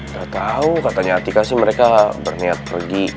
udah tahu katanya atika sih mereka berniat pergi